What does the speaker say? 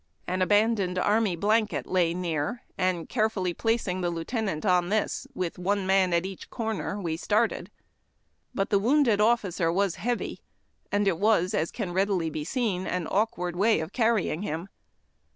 An abandoned army blanket lay near, and, carefully placing the lieutenant on this, with one man at each corner, we started. But the wounded officer was heavy, and it was, as can readily be seen, an awkward way of carrying him.